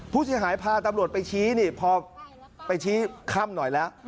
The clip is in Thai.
ผู้เสียหายพาตำรวจไปชี้นี่พอไปชี้ค่ำหน่อยแล้ว